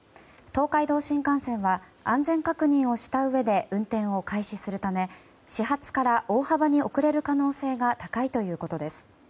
東海道新幹線は安全確認をしたうえで運転を開始するため始発から大幅に遅れる可能性が高いということです。